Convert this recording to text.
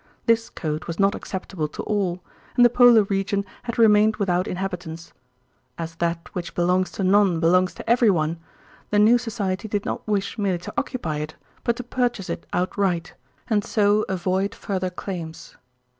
This code was not acceptable to all, and the Polar region had remained without inhabitants. As that which belongs to none belongs to every one, the new Society did not wish merely to occupy it, but to purchase it outright, and so avoid further claims.